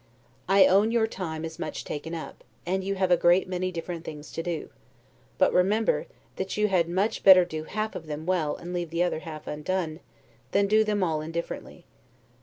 I own your time is much taken up, and you have a great many different things to do; but remember that you had much better do half of them well and leave the other half undone, than do them all indifferently.